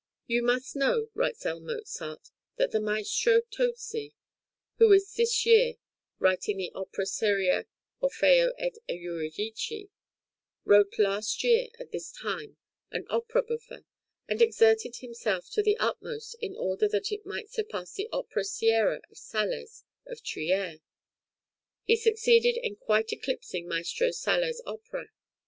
"You must know," writes L. Mozart, "that the maestro Tozi, who is this year writing the opera seria ('Orfeo ed Euridice'), wrote last year at this time an opera buffa, and exerted himself to the utmost in order that it might surpass the opera seria of Sales (of Trier): he succeeded in quite eclipsing Maestro Sales' opera.